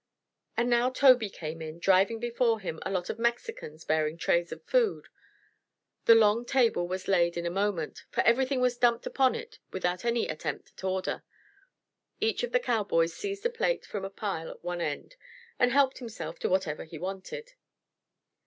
And now Tobey came in, driving before him a lot of Mexicans bearing trays of food. The long table was laid in a moment, for everything was dumped upon it without any attempt at order. Each of the cowboys seized a plate from a pile at one end and helped himself to whatever he wanted.